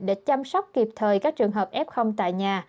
để chăm sóc kịp thời các trường hợp f tại nhà